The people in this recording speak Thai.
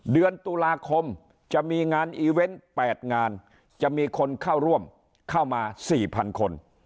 เดือนตุลาคมจะมีงานอีเวนต์๘งานจะมีคนเข้าร่วมเข้ามา๔๐๐๐คน